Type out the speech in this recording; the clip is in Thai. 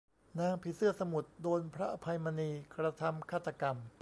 นางผีเสื้อสมุทร โดนพระอภัยมณีกระทำฆาตกรรม